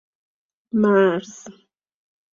مرز